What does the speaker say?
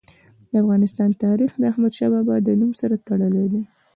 د افغانستان تاریخ د احمد شاه بابا د نوم سره تړلی دی.